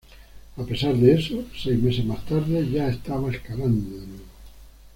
A pesar de eso, seis meses más tarde, ya estaba escalando de nuevo.